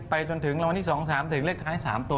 จนถึงรางวัลที่๒๓ถึงเลขท้าย๓ตัว